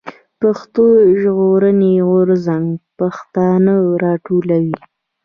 پښتون ژغورني غورځنګ پښتانه راټولوي.